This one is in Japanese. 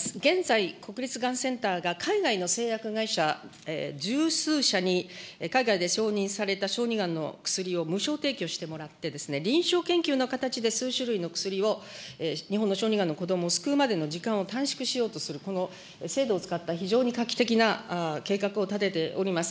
現在、国立がんセンターが海外の製薬会社十数社に海外で承認された小児がんの薬を無償提供してもらって、臨床研究の形で数種類の薬を日本の小児がんの子どもを救うまでの時間を短縮しようとするこの制度を使った非常に画期的な計画を立てております。